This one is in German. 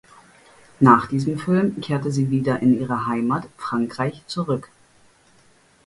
Nach diesem Film kehrte sie wieder in ihre Heimat Frankreich zurück.